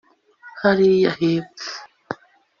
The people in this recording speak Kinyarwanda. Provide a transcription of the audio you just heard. hariya hepfo